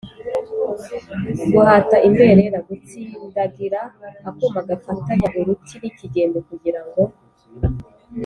guhata imberera: gutsimdagira akuma gafatanyauruti n’ikigembe kugira ngo